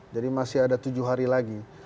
jadi masih ada tujuh hari lagi